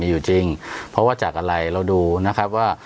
อยู่จริงเพราะว่าจากอะไรเราดูนะครับว่า